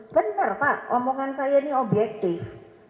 benar pak omongan saya ini objektif